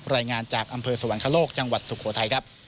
รายงานจากอำเภอสวรรคโลกจังหวัดสุโขทัยครับ